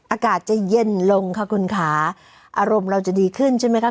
อากาศจะเย็นลงค่ะคุณค่ะอารมณ์เราจะดีขึ้นใช่ไหมคะ